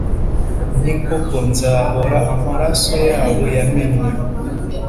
Ni koko: nzahora amaraso yabo yamenwe,